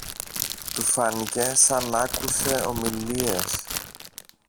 Του φάνηκε σα ν' άκουσε ομιλίες.